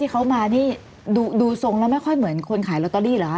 เขามานี่ดูทรงแล้วไม่ค่อยเหมือนคนขายลอตเตอรี่เหรอคะ